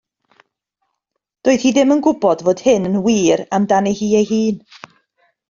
Doedd hi ddim yn gwybod fod hyn yn wir amdani hi ei hun.